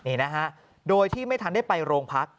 นี่นะฮะโดยที่ไม่ทันได้ไปโรงพัก